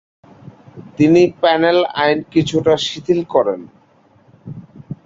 তিনি প্যানেল আইন কিছুটা শিথিল করেন।